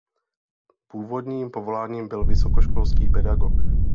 Původním povoláním byl vysokoškolský pedagog.